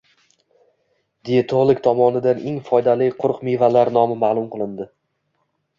Diyetolog tomonidan eng foydali quruq mevalar nomi ma’lum qilindi